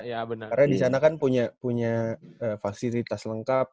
karena di sana kan punya fasilitas lengkap